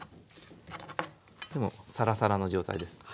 でもうサラサラの状態です。